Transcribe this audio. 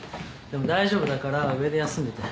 でも大丈夫だから上で休んでて。